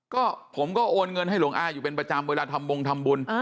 ก็ผมก็โอนเงินให้หลวงอาอยู่เป็นประจำเวลาทำบงทำบุญ